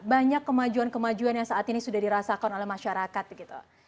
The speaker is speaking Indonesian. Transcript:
banyak kemajuan kemajuan yang saat ini sudah dirasakan oleh masyarakat begitu